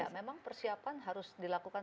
memang persiapan harus dilakukan